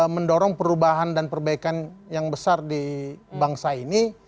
mendorong perubahan dan perbaikan yang besar di bangsa ini